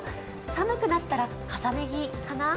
寒くなったら重ね着かな？